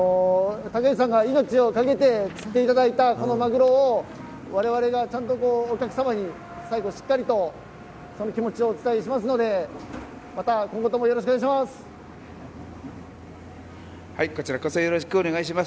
竹内さんが命を掛けて釣っていただいたこのマグロをわれわれが、ちゃんとお客様に最後しっかりと気持ちをお伝えしますのでまた今後ともよろしくお願いします。